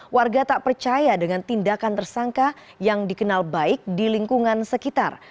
warga tak percaya dengan tindakan tersangka yang dikenal baik di lingkungan sekitar